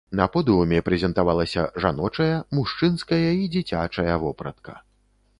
На подыуме прэзентавалася жаночая, мужчынская і дзіцячая вопратка.